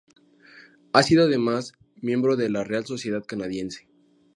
Ha sido además miembro de la Real Sociedad Canadiense.